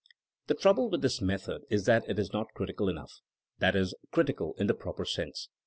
' The trouble with this method is that it is not critical enough; that is, critical in the proper sense.